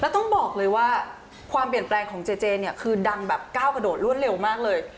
ต้องบอกเลยว่าความเปลี่ยนแปลงของเจเจเนี่ยคือดังแบบก้าวกระโดดรวดเร็วมากเลย